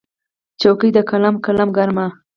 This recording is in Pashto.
څوکې د قلم، قلم کرمه